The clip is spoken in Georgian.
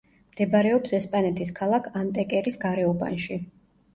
მდებარეობს ესპანეთის ქალაქ ანტეკერის გარეუბანში.